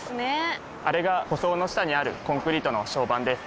あれが舗装の下にあるコンクリートの床版です。